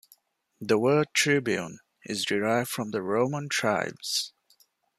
The word "tribune" is derived from the Roman tribes.